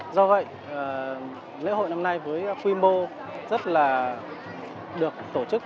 do vậy lễ hội năm nay với quy mô rất là được tổ chức